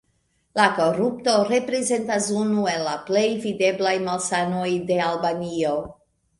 La korupto reprezentas unu el la plej videblaj malsanoj de Albanio.